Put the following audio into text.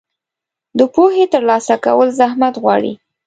د پوهې ترلاسه کول زحمت غواړي.